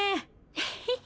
エヘヘ。